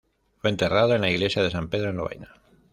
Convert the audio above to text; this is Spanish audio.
Fue enterrado en la iglesia de San Pedro en Lovaina.